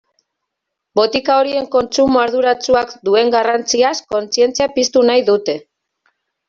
Botika horien kontsumo arduratsuak duen garrantziaz kontzientzia piztu nahi dute.